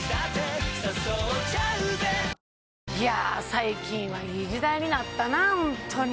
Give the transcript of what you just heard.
最近はいい時代になったなホントに。